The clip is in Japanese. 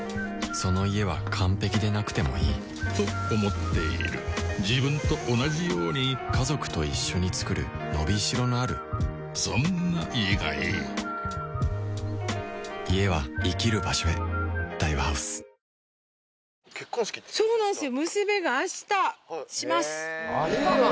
その「家」は完璧でなくてもいいと思っている自分と同じように家族と一緒に作る伸び代のあるそんな「家」がいい家は生きる場所へそして今翌日のさらに流行りなんですか？